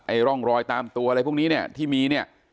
ไอ้ร่องรอยตามตัวอะไรพวกนี้ที่มีเนี่ย